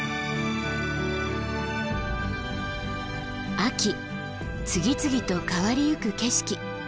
秋次々と変わりゆく景色。